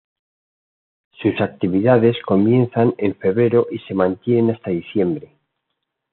Sus actividades comienzan en febrero y se mantienen hasta diciembre.